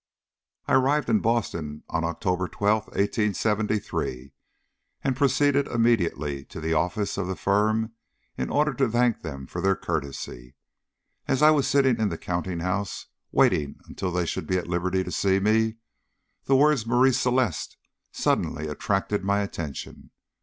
I arrived in Boston on October 12, 1873, and proceeded immediately to the office of the firm in order to thank them for their courtesy. As I was sitting in the counting house waiting until they should be at liberty to see me, the words Marie Celeste suddenly attracted my attention.